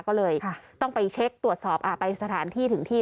ก็เลยต้องไปเช็คตรวจสอบไปสถานที่ถึงที่